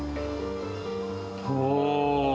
おお。